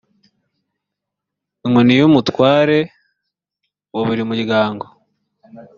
inkoni y umutware wa buri muryango